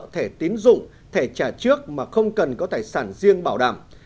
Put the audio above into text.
thẻ tiến dụng thẻ trả trước mà không cần có tài sản riêng bảo đảm